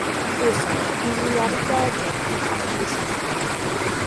Also, people who haven't died yet are actually suffering.